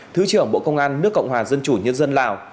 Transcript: thứ trưởng bộ công an nước cộng hòa dân chủ nhân dân lào